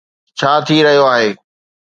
ڇا ٿي رهيو آهي.